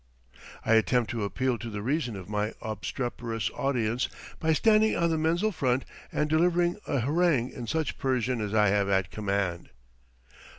I attempt to appeal to the reason of my obstreperous audience by standing on the menzil front and delivering a harangue in such Persian as I have at command.